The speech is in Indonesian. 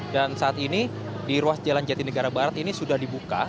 dan saat ini di ruas jalan jatinegara barat ini sudah dibuka